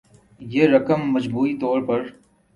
یہ رقم مجموعی طور پر